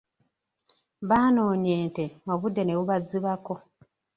Baanoonya ente, obudde ne bubazibako.